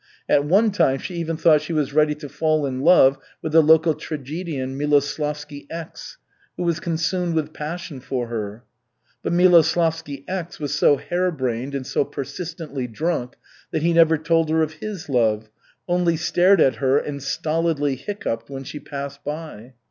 At one time she even thought she was ready to fall in love with the local tragedian Miloslavsky X, who was consumed with passion for her. But Miloslavsky X was so hare brained and so persistently drunk that he never told her of his love, only stared at her and stolidly hiccoughed when she passed by.